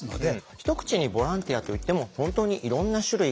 一口にボランティアと言っても本当にいろんな種類があるんですね。